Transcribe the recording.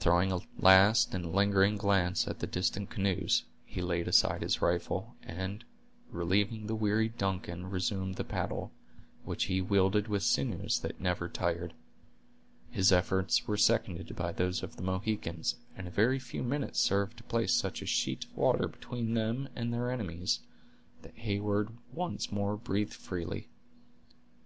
Throwing a last and lingering glance at the distant canoes, he laid aside his rifle, and, relieving the wearied Duncan, resumed the paddle, which he wielded with sinews that never tired. His efforts were seconded by those of the Mohicans and a very few minutes served to place such a sheet of water between them and their enemies, that Heyward once more breathed freely.